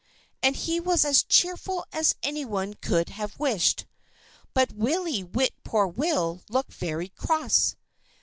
And he was as cheerful as anyone could have wished. But Willie Whip poor will looked very cross.